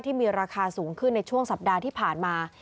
ที่มีราคาสูงขึ้นในช่วงสัปดาห์ที่ผ่านมา